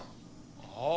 ああ。